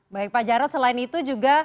baik pak jarod selain itu juga